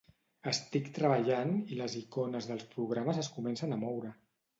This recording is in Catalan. Estic treballant i les icones dels programes es començen a moure.